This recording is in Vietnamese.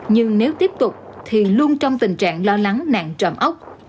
nhưng nếu tiếp tục thì luôn trong tình trạng lo lắng nạn trộm ốc